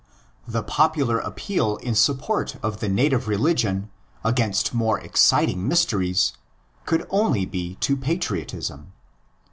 The popular appeal in support of the native religion against more exciting mysteries could only be to patriotism.